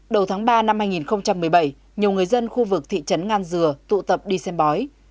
đầu tháng ba năm hai nghìn một mươi bảy nhiều người dân khu vực thị trấn ngan dừa tụ tập đi xem bói